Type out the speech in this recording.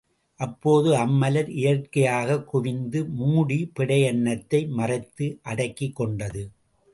அப்போது அம்மலர் இயற்கையாகக் குவிந்து மூடி பெடை அன்னத்தை மறைத்து அடக்கிக் கொண்டது.